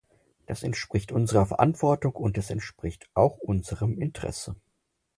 Das entspricht unserer Verantwortung, und es entspricht auch unserem Interesse.